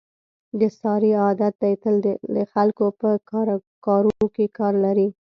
د سارې عادت دی تل د خلکو په کاروکې کار لري.